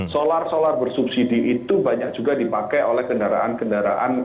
solar solar bersubsidi itu banyak juga dipakai oleh kendaraan kendaraan